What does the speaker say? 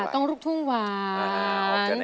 ต้องลูกทุ่งหวาน